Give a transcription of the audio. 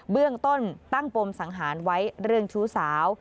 เบื้องต้นตั้งปมสังหารไว้เรื่องชู้สาว